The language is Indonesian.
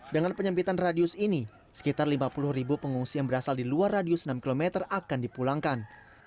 dengan penyempitan radius ini sekitar lima puluh ribu pengungsi yang berasal di luar radius enam km akan dipulangkan